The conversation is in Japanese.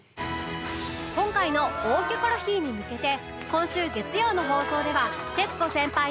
今回の『大キョコロヒー』に向けて今週月曜の放送では徹子先輩の友達